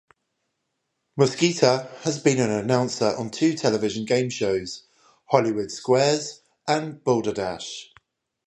Moschitta has been an announcer on two television game shows: "Hollywood Squares" and "Balderdash".